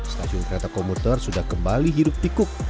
stasiun kereta komputer sudah kembali hidup tikuk